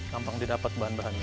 gampang didapat bahan bahannya